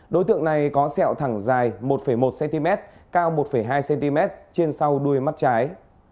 đối tượng này có sẹo thẳng dài một một cm cao một hai cm trên sau đuôi mắt trái